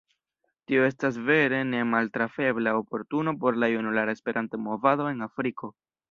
Tio estas vere nemaltrafebla oportuno por la junulara Esperanto-movado en Afriko.